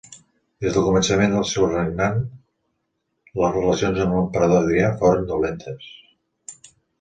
Des del començament del seu regnant les relacions amb l'emperador Adrià foren dolentes.